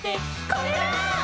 「これだー！」